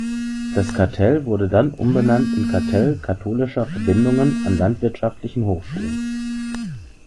Das Cartell wurde dann umbenannt in Cartell katholischer Verbindungen an Landwirtschaftlichen Hochschulen.